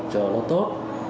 cho nó tốt